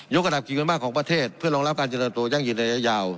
ยกกระดับกิจกรรมบ้างของประเทศเพื่อรองรับการเจนตัวตัวยั่งอยู่ในระยะยาว